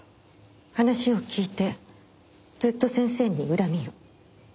話を聞いてずっと先生に恨みを？